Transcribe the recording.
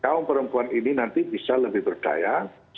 kaum perempuan ini nanti bisa lebih berdaya